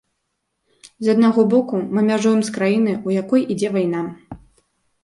З аднаго боку, мы мяжуем з краінай, у якой ідзе вайна.